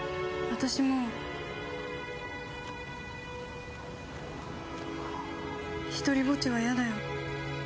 私もうひとりぼっちは嫌だよ